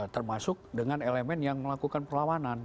termasuk dengan elemen yang melakukan perlawanan